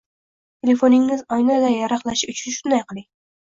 Telefoningiz oynaday yaraqlashi uchun shunday qiling.